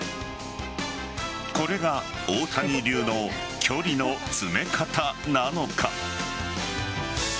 これが大谷流の距離の詰め方なのか。